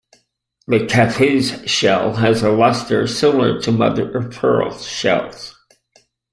The Capiz shell has a luster similar to mother of pearl shells.